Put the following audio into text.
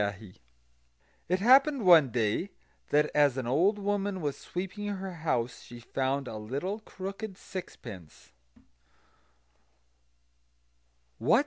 ] It happened one day that as an old woman was sweeping her house she found a little crooked sixpence.